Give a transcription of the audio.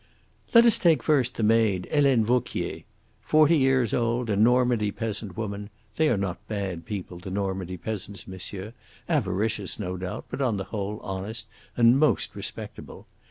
"Let us take first the maid, Helene Vauquier. Forty years old, a Normandy peasant woman they are not bad people, the Normandy peasants, monsieur avaricious, no doubt, but on the whole honest and most respectable.